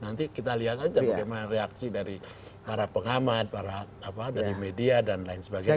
nanti kita lihat aja bagaimana reaksi dari para pengamat para dari media dan lain sebagainya